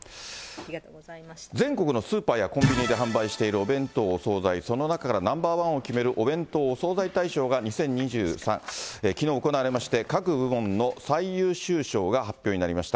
全国のスーパーやコンビニで販売しているお弁当・お総菜、その中からナンバーワンを決めるお弁当・お惣菜大賞が２０２３、きのう行われまして、各部門の最優秀賞が発表になりました。